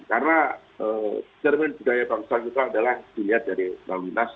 karena jermen budaya bangsa kita adalah dilihat dari lalu nas